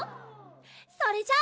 それじゃあ。